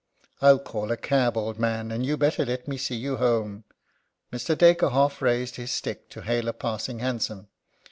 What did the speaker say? "I'll call a cab, old man, and you'd better let me see you home." Mr. Dacre half raised his stick to hail a passing hansom.